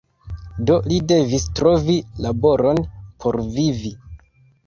Do li devis trovi laboron por vivi.